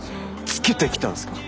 つけてきたんですか！？